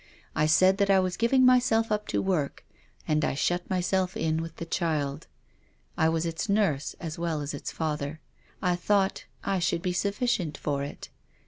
I said that I was giving myself up to work and I shut myself in with the child. I was its nurse as well as its father. I thought I should be sufficient for it.